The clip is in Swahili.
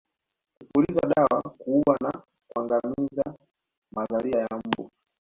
Kupuliza dawa kuua na kuangamiza mazalia ya mbu